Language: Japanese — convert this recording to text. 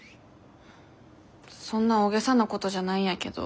そんな大げさなことじゃないんやけど。